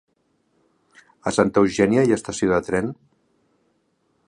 A Santa Eugènia hi ha estació de tren?